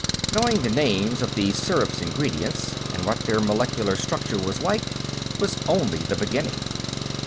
Knowing the names of the syrup's ingredients, and what their molecular structure was like, was only the beginning.